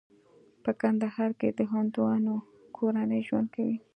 په کندهار کې د هندوانو کورنۍ ژوند کوي.